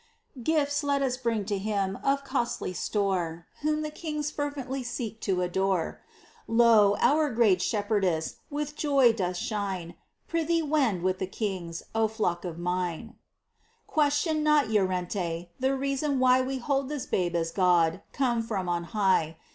Gifts let us bring to Him Of costly store, Whom the Kings fervently Seek to adore. Lo, our great Shepherdess With joy doth shine ! Prithee wend with the Kings, O flock of mine !^ 50 MINOR WORKS OF ST. TERESA. Question not, Llórente, The reason why We hold this Babe as God Come from on high.